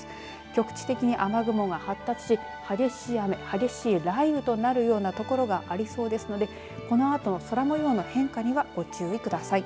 局地的に雨雲が発達し激しい雨、激しい雷雨となるような所がありそうですのでこのあとも空もようの変化にはご注意ください。